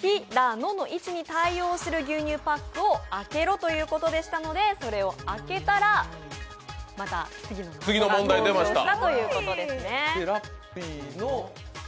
ヒラノの位置に対応する牛乳パックを開けろということでしたのでそれを開けたらまた次のということでした。